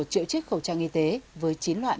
một triệu chiếc khẩu trang y tế với chín loại